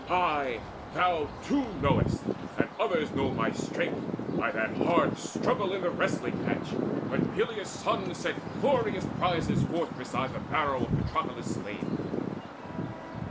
Aye, thou too know'st, and others know my strength By that hard struggle in the wrestling match, When Peleus' son set glorious prizes forth Beside the barrow of Patroclus slain."